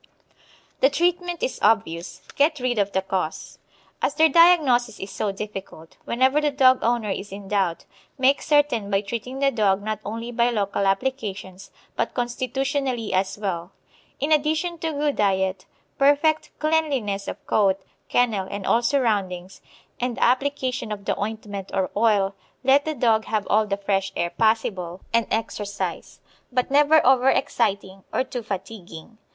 The treatment is obvious get rid of the cause. _As their diagnosis is so difficult, whenever the dog owner is in doubt, make certain by treating the dog not only by local applications but constitutionally as well_. In addition to good diet, perfect cleanliness of coat, kennel, and all surroundings, and the application of the ointment or oil, let the dog have all the fresh air possible, and exercise, but never over exciting or too fatiguing.